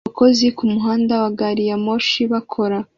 Abakozi kumuhanda wa gari ya moshi bakora